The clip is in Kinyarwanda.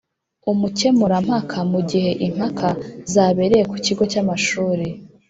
umukemurampaka mu gihe impaka zabereye ku kigo cy'amashuri